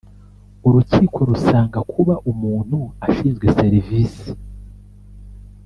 urukiko rusanga kuba umuntu ashinzwe serivisi